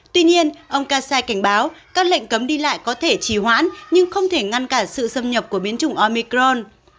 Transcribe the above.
tuy nhiên ông kassai cảnh báo các lệnh cấm đi lại có thể trì hoãn nhưng không thể ngăn cản sự xâm nhập của biến chủng omicron